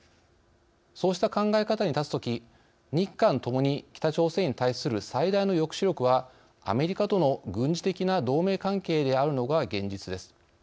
そうした考え方に立つとき日韓ともに北朝鮮に対する最大の抑止力はアメリカとの軍事的な同盟関係であるのが現実です。